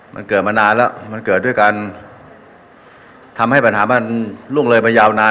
มันเกิดมานานแล้วมันเกิดด้วยการทำให้ปัญหามันล่วงเลยไปยาวนาน